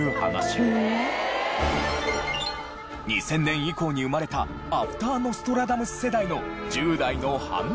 ２０００年以降に生まれたアフターノストラダムス世代の１０代の反応は？